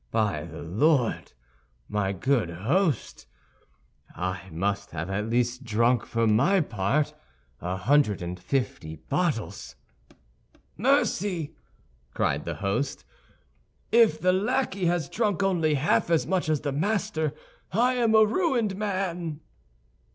By the Lord, my good host! I must at least have drunk for my part a hundred and fifty bottles." "Mercy!" cried the host, "if the lackey has drunk only half as much as the master, I am a ruined man."